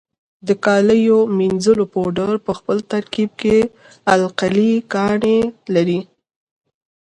د کالیو منیځلو پوډر په خپل ترکیب کې القلي ګانې لري.